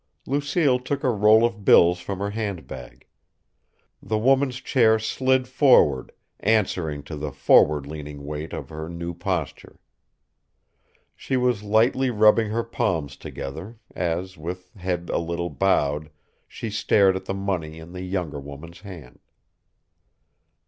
Lucille took a roll of bills from her handbag. The woman's chair slid forward, answering to the forward leaning weight of her new posture. She was lightly rubbing her palms together, as, with head a little bowed, she stared at the money in the younger woman's hand.